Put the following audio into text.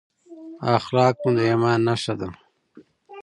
اخلاق مو د ایمان نښه ده.